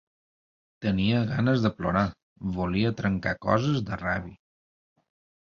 Tenia ganes de plorar, volia trencar coses de ràbia.